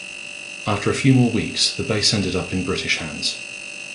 After a few more weeks, the base ended up in British hands.